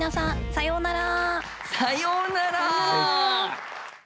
さようなら。